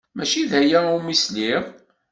Maci d aya umi sliɣ.